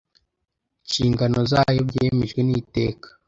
nshingano zayo byemejwe n Iteka